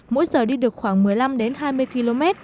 mỗi giờ đi được khoảng một mươi năm đến hai mươi km